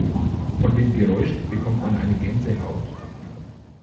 Von dem Geräusch bekommt man eine Gänsehaut.